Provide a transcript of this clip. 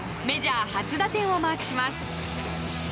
メジャー初打点をマークします。